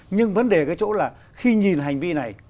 nhưng vấn đề cái chỗ là khi nhìn hành vi này